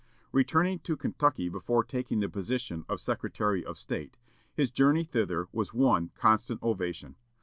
Returning to Kentucky before taking the position of Secretary of State, his journey thither was one constant ovation.